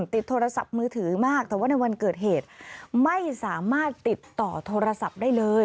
ติดโทรศัพท์มือถือมากแต่ว่าในวันเกิดเหตุไม่สามารถติดต่อโทรศัพท์ได้เลย